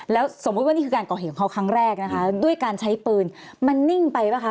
แล้วสมมุติว่านี่คือการก่อเหตุของเขาครั้งแรกนะคะด้วยการใช้ปืนมันนิ่งไปป่ะคะ